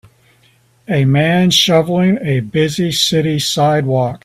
A man shoveling a busy city sidewalk.